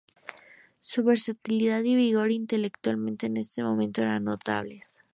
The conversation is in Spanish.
Su versatilidad y vigor intelectual en este momento eran notables.